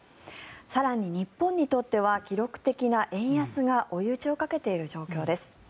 更に日本にとっては記録的な円安が追い打ちをかけている状況です。